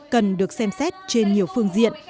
cần được xem xét trên nhiều phương diện